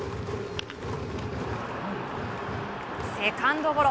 セカンドゴロ。